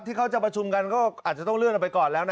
ที่เขาจะประชุมกันก็อาจจะต้องเลื่อนออกไปก่อนแล้วนะ